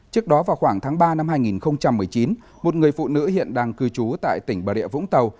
trước đó vào khoảng tháng ba năm hai nghìn một mươi chín một người phụ nữ hiện đang cư trú tại tỉnh bà rịa vũng tàu